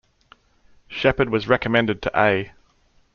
Shepard was recommended to A.